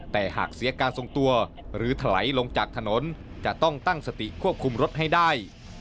แต่หากเสียการทรงตัวหรือถลายลงจากถนนจะต้องตั้งสติควบคุมรถให้ได้